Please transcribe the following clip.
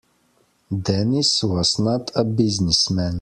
Dennis was not a business man.